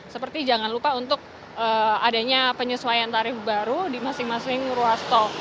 seperti jangan lupa untuk adanya penyesuaian tarif baru di masing masing ruas tol